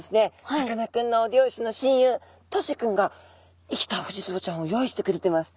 さかなクンの漁師の親友とし君が生きたフジツボちゃんを用意してくれてます。